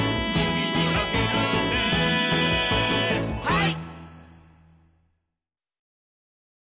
はい！